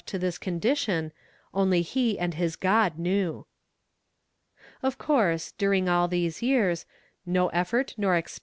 U to this condition, only he and his God Knew. Of co„«,. ,|„,i„f; all tl.eso yea,,., „o effort nor ex i«.